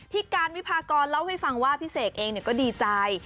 การวิพากรเล่าให้ฟังว่าพี่เสกเองก็ดีใจ